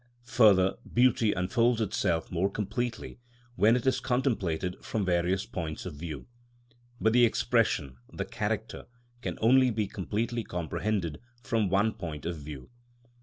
Further, beauty unfolds itself more completely when it is contemplated from various points of view; but the expression, the character, can only be completely comprehended from one point of view.